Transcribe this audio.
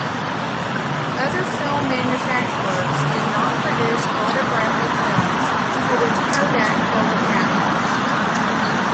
Other film manufacturers did not produce Autographic films, for which Kodak held a patent.